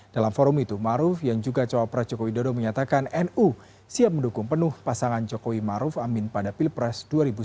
dalam forum itu maruf yang juga cowok pres jokowi dodo menyatakan nu siap mendukung penuh pasangan jokowi maruf amin pada pilpres dua ribu sembilan belas